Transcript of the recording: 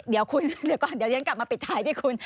เดี๋ยวคุณเดี๋ยวเรียนกลับมาปิดท้ายพี่คุณ